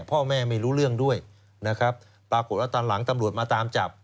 ไม่รู้เรื่องด้วยนะครับปรากฏว่าตอนหลังตำรวจมาตามจับ